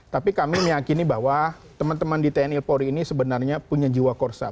tapi kami meyakini bahwa teman teman di tni polri ini sebenarnya punya jiwa korsa